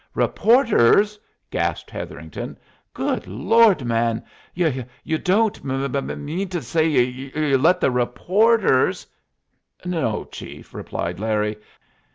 "Reporters?" gasped Hetherington. "Good Lord, man yuh you don't mum mean to say yuh you let the reporters " "No, chief," replied Larry.